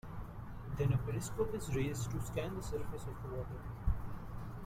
Then, a periscope is raised to scan the surface of the water.